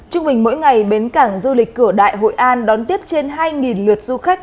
trung bình mỗi ngày bến cảng du lịch cửa đại hội an đón tiếp trên hai lượt du khách